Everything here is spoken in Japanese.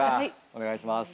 お願いします。